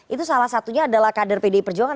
itu salah satunya adalah kader pdi perjuangan